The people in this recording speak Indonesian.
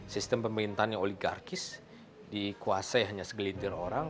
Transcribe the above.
sistem pemerintahnya oligarkis dikuasai hanya segelintir orang